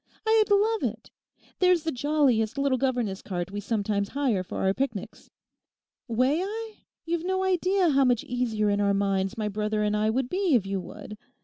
I'd love it. There's the jolliest little governess cart we sometimes hire for our picnics. May I? You've no idea how much easier in our minds my brother and I would be if you would.